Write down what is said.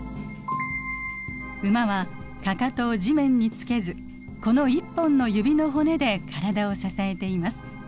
ウマはかかとを地面につけずこの１本の指の骨で体を支えています。